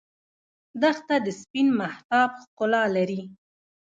دښته د سپین مهتاب ښکلا لري.